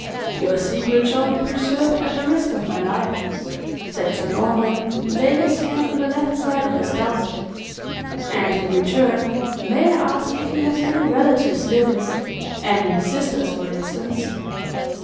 "Your secret shall be preserved at the risk of my life," said Sir Norman, laying his hand on the left side of his doublet; "and in return, may I ask if you have any relatives living any sisters for instance?"